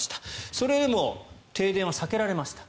それでも停電は避けられました。